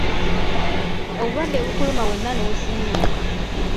Obulwadde bukuluma wenna n'osiiwuuka.